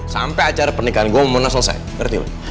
sampai acara pernikahan gue mau menang selesai ngerti lo